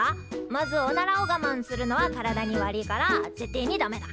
まずおならをがまんするのは体に悪いから絶対にダメだ。